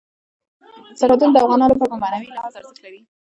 سرحدونه د افغانانو لپاره په معنوي لحاظ ارزښت لري.